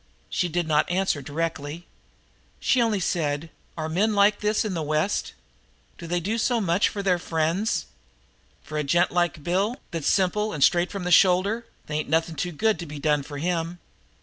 She did not answer directly. She only said: "Are men like this in the West? Do they do so much for their friends?" "For a gent like Bill Gregg, that's simple and straight from the shoulder, they ain't nothing too good to be done for him.